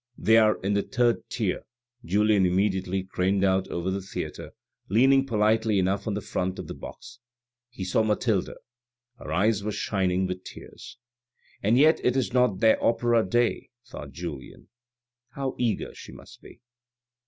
" They are in the third tier." Julien immediately craned out over the theatre, leaning politely enough on the front of the box. He saw Mathilde ; her eyes were shining with tears. " And yet it is not their Opera day," thought Julien ;" how eager she must be